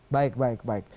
baik baik baik